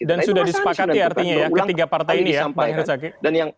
dan sudah disepakati artinya ya ketiga partai ini ya bang zaky